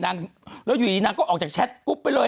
นางแล้วอยู่ดีนางก็ออกจากแชทกุ๊บไปเลยอ่ะ